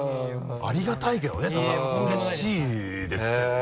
ありがたいけどねだからうれしいですけどね